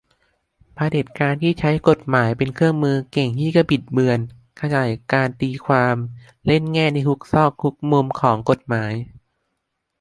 เผด็จการที่ใช้กฎหมายเป็นเครื่องมือ เก่งที่จะบิดเบือน ขยายการตีความ เล่นแง่ในทุกซอกทุกมุมของกฎหมาย